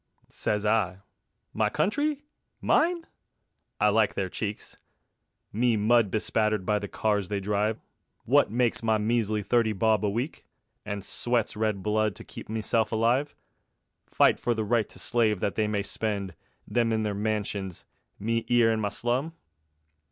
Sez I: My Country? Mine? I likes their cheek. Me mud bespattered by the cars they drive, Wot makes my measly thirty bob a week, And sweats red blood to keep meself alive! Fight for the right to slave that they may spend, Them in their mansions, me 'ere in my slum?